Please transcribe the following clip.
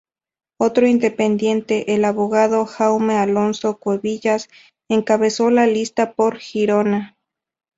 Otro independiente, el abogado Jaume Alonso-Cuevillas, encabezó la lista por Girona.